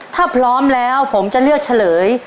ถ้าพร้อมแล้วผมจะเลือกเฉลย